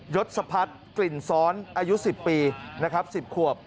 ศพัฒน์กลิ่นซ้อนอายุ๑๐ปีนะครับ๑๐ขวบ